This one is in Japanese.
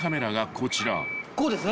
こうですね？